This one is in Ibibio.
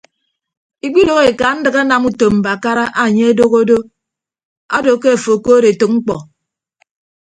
Ikpidoho ekandịk anam utom mbakara anye adoho do ado ke afo okood etәk mkpọ.